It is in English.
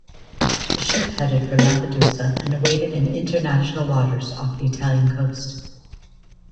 The ship headed for Lampedusa and awaited in international waters off the Italian coast.